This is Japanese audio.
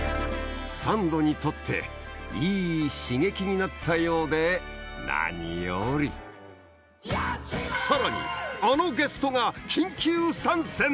サンドにとっていい刺激になったようで何よりさらにあのゲストが緊急参戦！